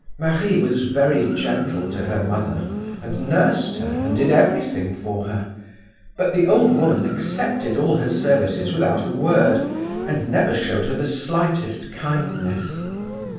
"Marie was very gentle to her mother, and nursed her, and did everything for her; but the old woman accepted all her services without a word and never showed her the slightest kindness.